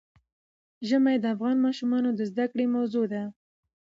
ژمی د افغان ماشومانو د زده کړې موضوع ده.